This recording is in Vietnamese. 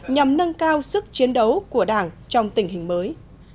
nhằm nâng cao sức chiến đấu của đảng trong tình hình mới